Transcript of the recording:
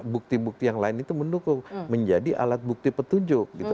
bukti bukti yang lain itu mendukung menjadi alat bukti petunjuk gitu